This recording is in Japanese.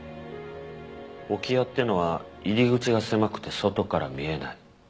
置屋ってのは入り口が狭くて外から見えない。